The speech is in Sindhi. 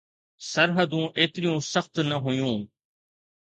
سرحدون ايتريون سخت نه هيون.